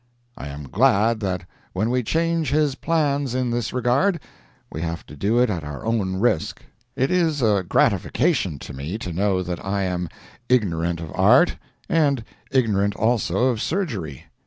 I am glad that when we change His plans in this regard, we have to do it at our own risk. It is a gratification to me to know that I am ignorant of art, and ignorant also of surgery.